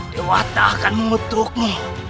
dewa tak akan memetukmu